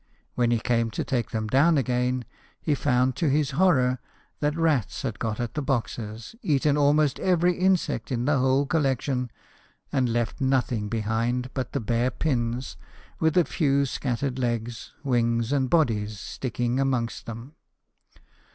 When he came to take them down again he found to his horror that rats had got at the boxes, eaten almost every insect in the whole collection, and left nothing behind but the bare pins, with a few scattered legs, wings, and bodies, sticking amongst them.